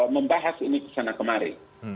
membahas ini kesana kemari